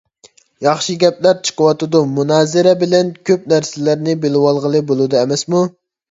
ياخشى گەپلەر چىقىۋاتىدۇ. مۇنازىرە بىلەن كۆپ نەرسىلەرنى بىلىۋالغىلى بولىدۇ ئەمەسمۇ.